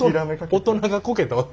大人がこけたわけ。